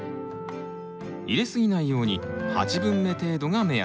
入れ過ぎないように８分目程度が目安。